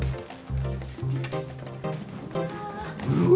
うわ。